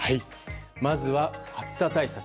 まずは暑さ対策。